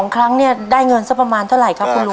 ๒ครั้งเนี่ยได้เงินสักประมาณเท่าไหร่ครับคุณลุง